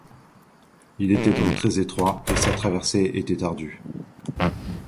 Il était donc très étroit et sa traversée était ardue.